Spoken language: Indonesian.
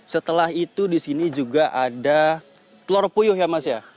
setelah itu di sini juga ada telur puyuh ya mas ya